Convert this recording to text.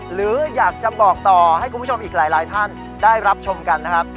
หรืออยากจะบอกต่อให้คุณผู้ชมอีกหลายท่านได้รับชมกันนะครับ